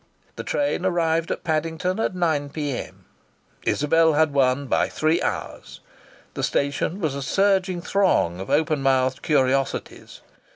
The train arrived at Paddington at 9 P.M. Isabel had won by three hours. The station was a surging throng of open mouthed curiosities.